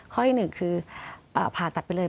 ข้ออีกหนึ่งคือผ่าตัดไปเลย